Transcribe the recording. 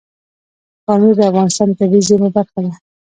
پامیر د افغانستان د طبیعي زیرمو برخه ده.